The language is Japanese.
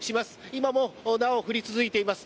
今も、なお降り続いています。